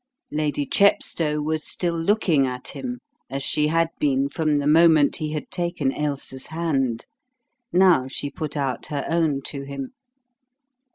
Lady Chepstow was still looking at him as she had been from the moment he had taken Ailsa's hand. Now she put out her own to him.